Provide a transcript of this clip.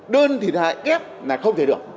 đơn thiệt hại kép là không thể được